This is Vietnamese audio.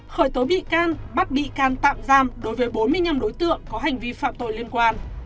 khởi tố bị can bắt bị can tạm giam đối với bốn mươi năm đối tượng có hành vi phạm tội liên quan